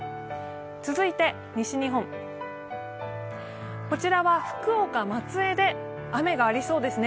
続いて西日本、こちらは福岡、松江で雨がありそうですね。